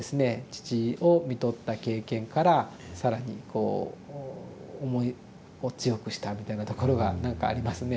父をみとった経験から更にこう思いを強くしたみたいなところが何かありますね。